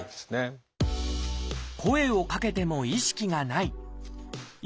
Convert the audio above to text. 声をかけても意識がない。